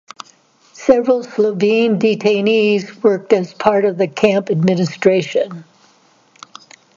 Several Slovene detainees worked as part of the camp administration.